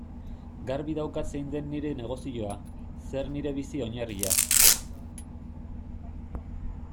Garbi daukat zein den nire negozioa, zer nire bizi-oinarria.